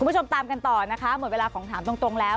คุณผู้ชมตามกันต่อนะคะหมดเวลาของถามตรงแล้ว